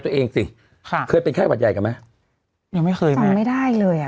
สิค่ะเคยเป็นไข้หวัดใหญ่กันไหมยังไม่เคยฟังไม่ได้เลยอ่ะ